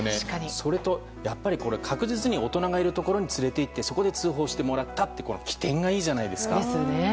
それと確実に大人がいるところに連れていってそこで通報してもらったって機転がいいじゃないですか。